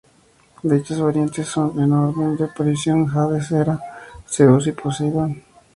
Dichas variantes son, en orden de aparición, "Hades", "Hera", "Zeus" y "Poseidón".